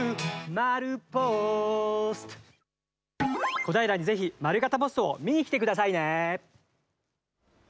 小平にぜひ丸型ポストを見に来てくださいね。